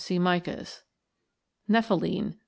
See Micas. Nepheline.